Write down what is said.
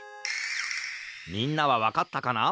みんなはわかったかな？